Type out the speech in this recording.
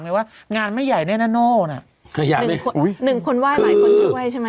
หนึ่งคนไหว้ไหนคนชอบเว่ยใช่ไหม